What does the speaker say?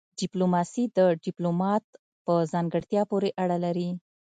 ډيپلوماسي د ډيپلومات په ځانګړتيا پوري اړه لري.